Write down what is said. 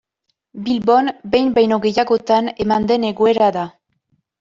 Bilbon behin baino gehiagotan eman den egoera da.